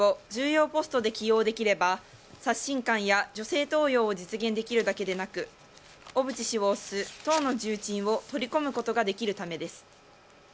知名度の高い小渕氏を重要ポストで起用できれば刷新感や女性登用を実現できるだけでなく小渕氏を推す党の重鎮を取り込むことができるためです。